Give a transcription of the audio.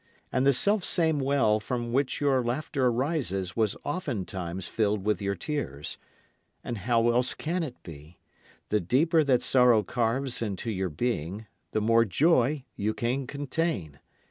And the selfsame well from which your laughter rises was oftentimes filled with your tears. And how else can it be? The deeper that sorrow carves into your being, the more joy you can contain.